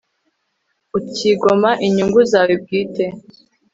ukigomwa inyungu zawe bwite